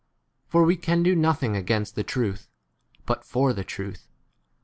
For he could do nothing against the truth, but for the truth.